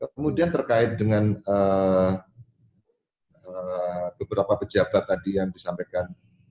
kemudian terkait dengan beberapa pejabat tadi yang disampaikan